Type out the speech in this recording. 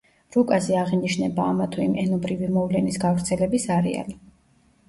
რუკაზე აღინიშნება ამ თუ იმ ენობრივი მოვლენის გავრცელების არეალი.